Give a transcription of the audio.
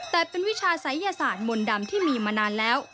แต่เป็นวิชาศัยยศาสตร์มนต์ดำที่มีมานานแล้ว